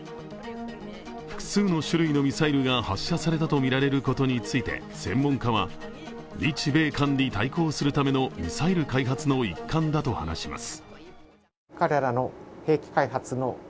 複数の種類のミサイルが発射されたとみられることについて専門家は、日米韓に対抗するためのミサイル開発の一環だと話します。